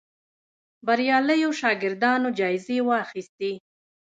بریالیو شاګردانو جایزې واخیستې